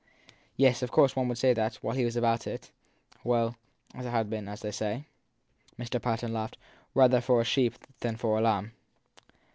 Yes, of course one would like that, while he was about it well, it had been, as they say/ Mr. Patten laughed, rather for a sheep than for a lamb!